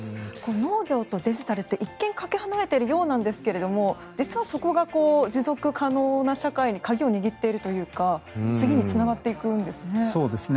農業とデジタルって一見かけ離れているようなんですが実はそこが持続可能な社会の鍵を握っているというか次につながっていくんですね。